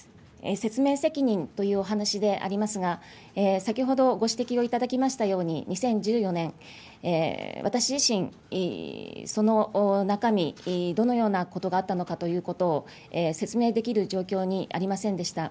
説明責任というお話でありますが、先ほどご指摘を頂きましたように、２０１４年、私自身、その中身、どのようなことがあったのかということを説明できる状況にありませんでした。